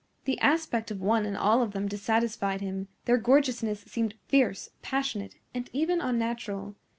The aspect of one and all of them dissatisfied him; their gorgeousness seemed fierce, passionate, and even unnatural.